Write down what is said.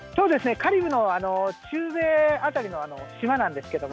カリブの中米辺りの島なんですけども。